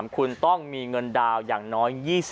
คุณต้องมีเงินดาวน์อย่างน้อย